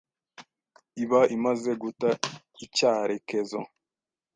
iba imaze guta icyarekezo